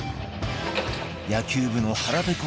野球部の腹ペコ